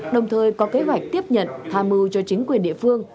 đồng thời có kế hoạch tiếp nhận tham mưu cho chính quyền địa phương